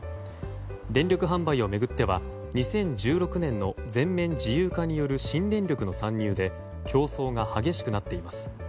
電力販売を巡っては２０１６年の全面自由化による新電力の参入で競争が激しくなっています。